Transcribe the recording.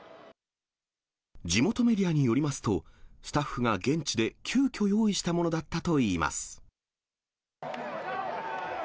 地元メディアによりますと、スタッフが現地で急きょ用意したものだったといいます。